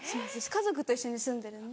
家族と一緒に住んでるんで。